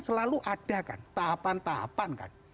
selalu ada kan tahapan tahapan kan